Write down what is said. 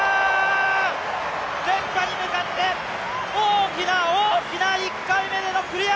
連覇に向かって、大きな大きな１回目でのクリア！